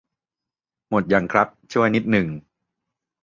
หมดยังครับ ช่วยนิดนึง